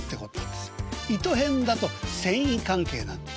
「糸ヘン」だと繊維関係なんです。